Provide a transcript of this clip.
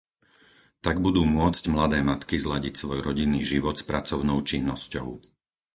Tak budú môcť mladé matky zladiť svoj rodinný život s pracovnou činnosťou.